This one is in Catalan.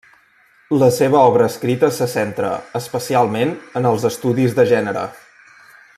La seva obra escrita se centra, especialment, en els estudis de gènere.